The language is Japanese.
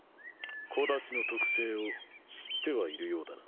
小太刀の特性を知ってはいるようだな。